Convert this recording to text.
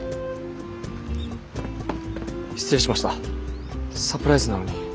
失礼しましたサプライズなのに。